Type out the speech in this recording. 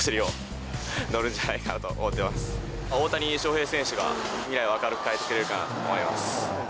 近現代の未来を明るく変えてくれるかなと思います